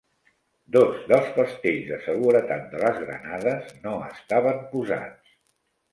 Dos dels pastells de seguretat de les granades no estaven posats.